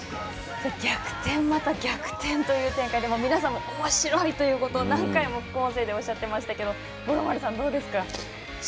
逆転、また逆転という展開で皆さんも面白いということを何回も副音声でおっしゃっていましたが五郎丸さん、どうですか？